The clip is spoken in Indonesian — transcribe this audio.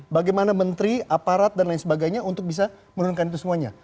bagaimana menteri aparat dan lain sebagainya untuk bisa menurunkan itu semuanya